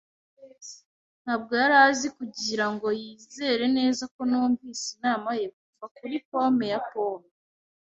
Ntabwo yari azi, kugirango yizere neza ko numvise inama ye kuva kuri pome ya pome,